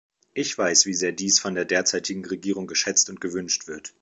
Ich weiß, wie sehr dies von der derzeitigen Regierung geschätzt und gewünscht wird.